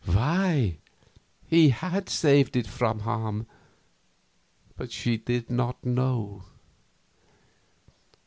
Why, He had saved it from harm but she did not know.